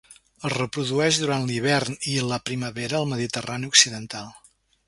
Es reprodueix durant l'hivern i la primavera al Mediterrani occidental.